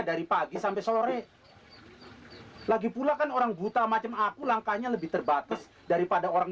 dari pagi sampai sore lagi pula kan orang buta macam aku langkahnya lebih terbatas daripada orang